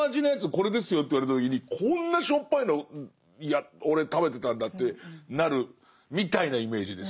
これですよと言われた時にこんなしょっぱいのいや俺食べてたんだってなるみたいなイメージです。